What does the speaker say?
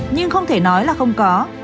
nhưng không thể nói là không có